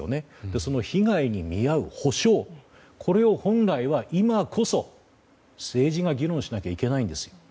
その被害に見合う補償を、本来は今こそ政治が議論しなきゃいけないんですよ。